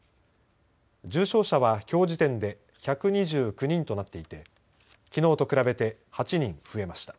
重症者はきょう時点で１２９人となっていてきのうと比べて８人増えました。